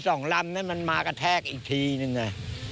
สองลำนี่มันมากระแทกอีกทีนึงนะ